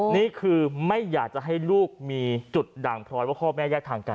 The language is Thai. นี่คือไม่อยากจะให้ลูกมีจุดด่างพลอยว่าพ่อแม่แยกทางกัน